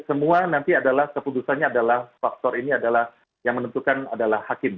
semua nanti adalah keputusannya adalah faktor ini adalah yang menentukan adalah hakim